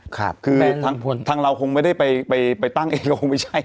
คือทางเราคงไม่ได้ไปตั้งเองก็คงไม่ใช่